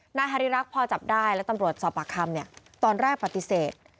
นายฮาริรักษ์พอจับได้และตำรวจสอบปากคำเนี่ยตอนแรกปฏิเสธ